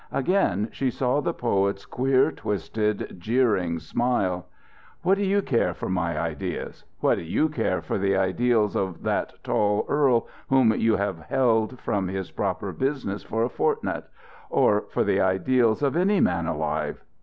Again she saw the poet's queer, twisted, jeering smile. "What do you care for my ideals? What do you care for the ideals of that tall earl whom you have held from his proper business for a fortnight? or for the ideals of any man alive?